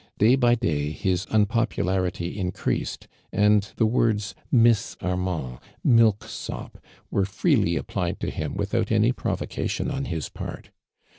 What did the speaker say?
Day by day his unpopularity increaseil, and the words Mins .\rmand, milk sop, were freely applit«l to him without any imi vocation on his jiart.